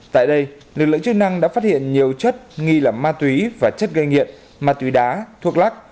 tại đây lực lượng chức năng đã phát hiện nhiều chất nghi là ma túy và chất gây nghiện ma túy đá thuốc lắc